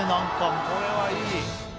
これはいい。